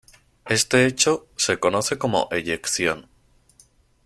Este hecho, se conoce como eyección.